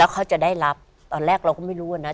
เขาจะได้รับตอนแรกเราก็ไม่รู้อะนะ